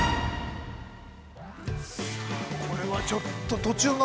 これはちょっと、途中が。